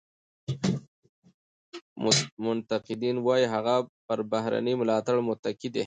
منتقدین وایي هغه پر بهرني ملاتړ متکي دی.